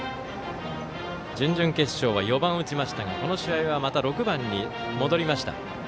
準々決勝は４番を打ちましたがこの試合はまた６番に戻りました。